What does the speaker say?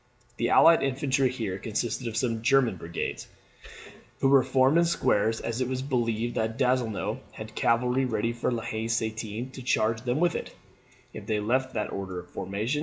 The allied infantry here consisted of some German brigades, who were formed in squares, as it was believed that Donzelot had cavalry ready behind La Haye Sainte to charge them with, if they left that order of formation.